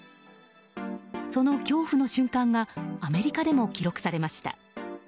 その恐怖の瞬間がアメリカでも記録されました。